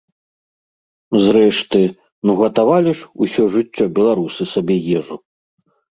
Зрэшты, ну гатавалі ж усё жыццё беларусы сабе ежу!